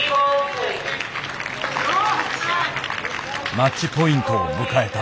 マッチポイントを迎えた。